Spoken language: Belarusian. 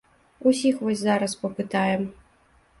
Усіх вось зараз папытаем.